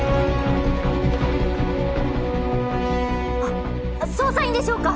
あっ捜査員でしょうか？